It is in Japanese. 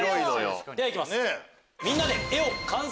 ではいきます。